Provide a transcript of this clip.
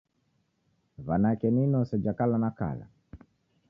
W'anake ni inose na kala na kala .